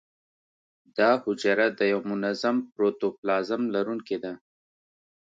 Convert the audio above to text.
دا حجره د یو منظم پروتوپلازم لرونکې ده.